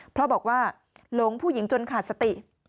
เพราะบอกว่าหลงผู้หญิงจนขาดสติ